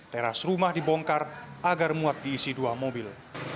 teras rumah dibongkar agar muat diisi dua mobil